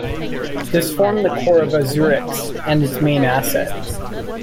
This formed the core of Azurix and its main asset.